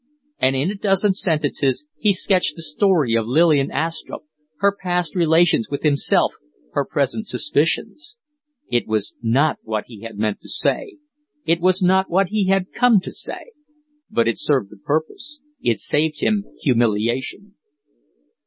And in a dozen sentences he sketched the story of Lillian Astrupp her past relations with himself, her present suspicions. It was not what he had meant to say; it was not what he had come to say; but it served the purpose it saved him humiliation.